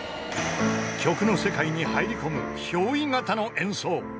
［曲の世界に入り込む憑依型の演奏］